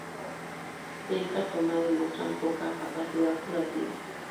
De esta forma, demuestran poca capacidad curativa.